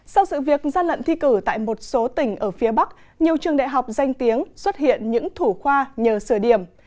sau sự việc gian lận thi cử tại một số tỉnh ở phía bắc nhiều trường đại học danh tiếng xuất hiện những thủ khoa nhờ sửa điểm